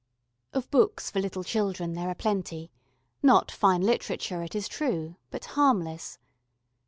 Of books for little children there are plenty not fine literature, it is true but harmless.